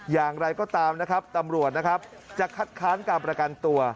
อย่างไรก็ตามนะครับตำรวจนะครับจะคัดค้านการประกันตัว